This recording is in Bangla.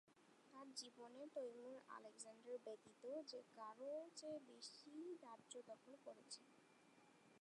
তার জীবনে তৈমুর আলেকজান্ডার ব্যতীত যে কারও চেয়ে বেশি রাজ্য দখল করেছেন।